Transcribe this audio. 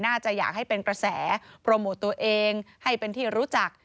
อยากให้เป็นกระแสโปรโมทตัวเองให้เป็นที่รู้จัก